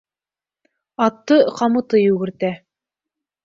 Атты ҡамыты йүгертә